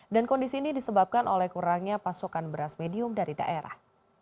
dan kondisi ini disebabkan oleh kurangnya pasokan beras medium dari daerah